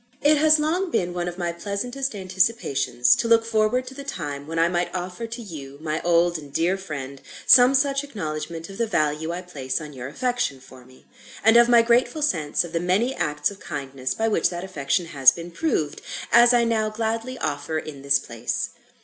IT has long been one of my pleasantest anticipations to look forward to the time when I might offer to you, my old and dear friend, some such acknowledgment of the value I place on your affection for me, and of my grateful sense of the many acts of kindness by which that affection has been proved, as I now gladly offer in this place.